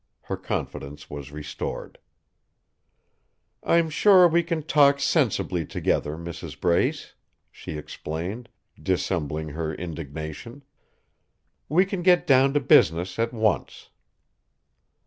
Her confidence was restored. "I'm sure we can talk sensibly together, Mrs. Brace," she explained, dissembling her indignation. "We can get down to business, at once."